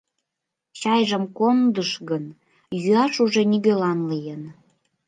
Чайжым кондыш гын, йӱаш уже нигӧлан лийын.